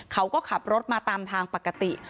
เขาก็ขับรถมาตามทางปกติ